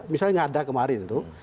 misalnya ada kemarin itu